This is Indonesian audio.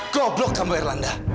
goblok kamu irlanda